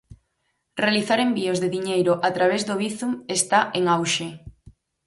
Realizar envíos de diñeiro a través do Bizum está en auxe.